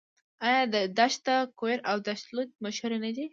آیا دشت کویر او دشت لوت مشهورې نه دي؟